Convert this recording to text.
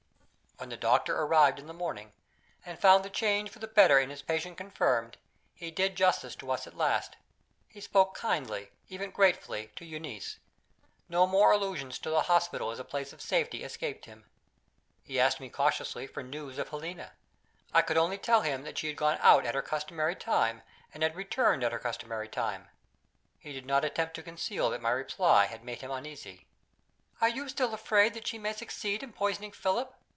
When the doctor arrived in the morning, and found the change for the better in his patient confirmed, he did justice to us at last. He spoke kindly, and even gratefully, to Euneece. No more allusions to the hospital as a place of safety escaped him. He asked me cautiously for news of Helena. I could only tell him that she had gone out at her customary time, and had returned at her customary time. He did not attempt to conceal that my reply had made him uneasy. "Are you still afraid that she may succeed in poisoning Philip?"